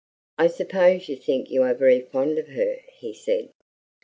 "I suppose you think you are very fond of her," he said.